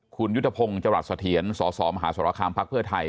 คุณยุทธพงศ์จสสมหาสคพไทย